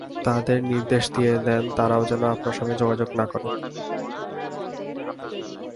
তাদের নির্দেশ দিয়ে দেন তারাও যেন আপনার সঙ্গে যোগাযোগ না করে।